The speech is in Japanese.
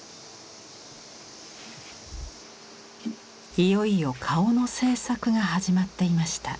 いよいよ顔の制作が始まっていました。